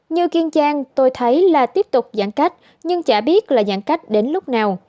như kiên giang tôi thấy là tiếp tục giãn cách nhưng chả biết là giãn cách đến lúc nào